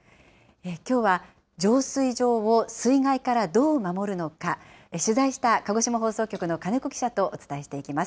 きょうは浄水場を水害からどう守るのか、取材した鹿児島放送局の金子記者とお伝えしていきます。